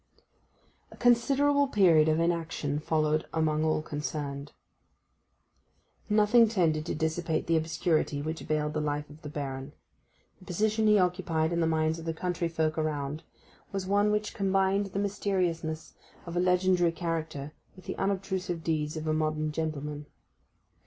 A considerable period of inaction followed among all concerned. Nothing tended to dissipate the obscurity which veiled the life of the Baron. The position he occupied in the minds of the country folk around was one which combined the mysteriousness of a legendary character with the unobtrusive deeds of a modern gentleman.